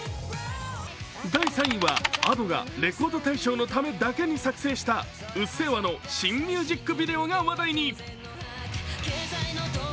第３位は、Ａｄｏが「レコード大賞」のためだけに作成した「うっせぇわ」の新ミュージックビデオが話題に。